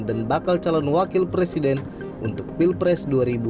dan bakal calon wakil presiden untuk pilpres dua ribu dua puluh empat